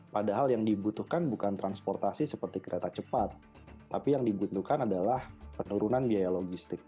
padahal yang dibutuhkan bukan transportasi seperti kereta cepat tapi yang dibutuhkan adalah penurunan biaya logistik